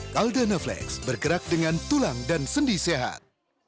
caldana flex bergerak dengan tulang dan sendi sehat